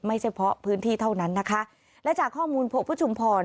เฉพาะพื้นที่เท่านั้นนะคะและจากข้อมูลพบว่าชุมพร